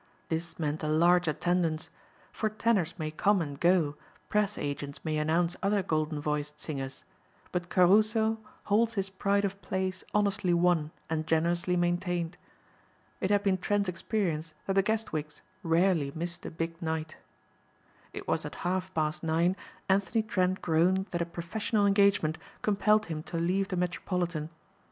This meant a large attendance; for tenors may come and go, press agents may announce other golden voiced singers, but Caruso holds his pride of place honestly won and generously maintained. It had been Trent's experience that the Guestwicks rarely missed a big night. It was at half past nine Anthony Trent groaned that a professional engagement compelled him to leave the Metropolitan.